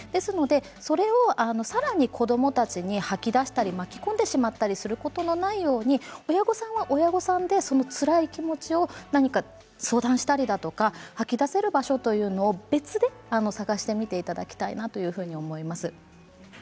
それを、さらに子どもたちに吐き出したり巻き込んでしまったりすることのないように親御さんは親御さんでつらい気持ちを相談したり吐き出せる場所というのを、別で探してみていただきたいなというふうに思います。